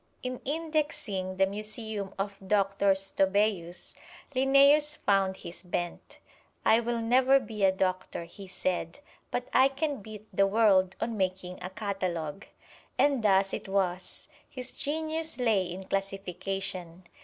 In indexing the museum of Doctor Stobæus, Linnæus found his bent. "I will never be a doctor," he said; "but I can beat the world on making a catalog." And thus it was: his genius lay in classification.